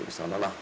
insya allah lah